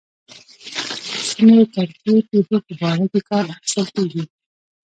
سیمې تاریخي پېښو په باره کې کار اخیستل کېږي.